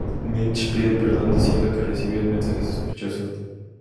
Mitch pide perdón diciendo que recibió un mensaje sospechoso.